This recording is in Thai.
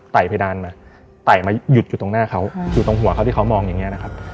เพดานมาไต่มาหยุดอยู่ตรงหน้าเขาอยู่ตรงหัวเขาที่เขามองอย่างนี้นะครับ